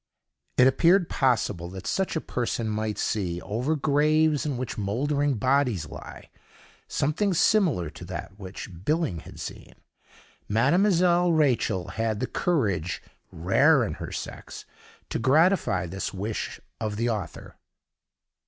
It appeared possible that such a person might see, over graves in which mouldering bodies lie, something similar to that which Billing had seen. Mdlle. Reichel had the courage, rare in her sex, to gratify this wish of the author.